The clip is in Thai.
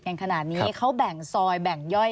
กันขนาดนี้เขาแบ่งซอยแบ่งย่อย